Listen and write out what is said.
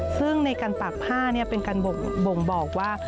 ซึ่งในการตากผ้าเป็นการบ่งบอกว่า